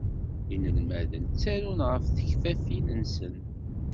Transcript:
Inelmaden ttarun ɣef tekfafin-nsen.